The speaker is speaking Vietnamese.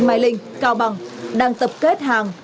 mai linh cao bằng đang tập kết hàng